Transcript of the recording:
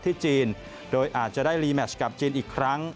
ที่จีนโดยอาจจะได้รีแมชกับจีนอีกครั้ง